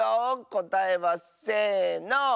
こたえはせの！